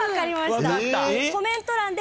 コメント欄で。